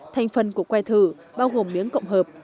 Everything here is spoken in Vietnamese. thành phần của que thử bao gồm miếng cộng hợp